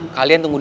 kalian tunggu dulu